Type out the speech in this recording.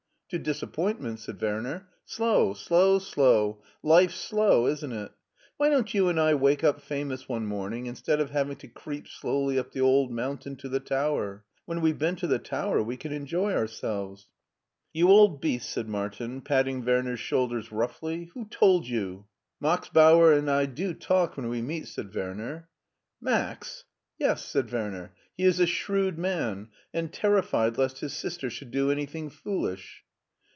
" To disappointment," said Werner. " Slow, slow, slow; life's slow, isn't it? Why don't you and I wake up famous one morning instead of having to creep slowly up the old mountain to the tower. When we've been to the tower we can enjoy ourselves." "You old beast," said Martin, patting Werner's shoulders roughly ;" who told you ?" 56 MARTIN SCHULER €t Max Bauer and I do talk when we meet/* said Werner. "Max!" "Yes," said Werner; "he is a shrewd man, and terrified lest his sister should do anything foolish."